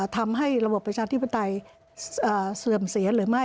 ทำให้ระบบประชาธิปไตยเสื่อมเสียหรือไม่